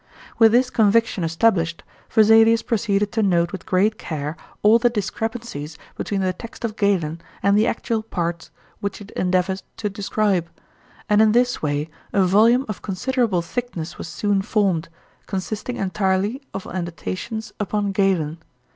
With this conviction established, Vesalius proceeded to note with great care all the discrepancies between the text of Galen and the actual parts which it endeavoured to describe, and in this way a volume of considerable thickness was soon formed, consisting entirely of annotations upon Galen.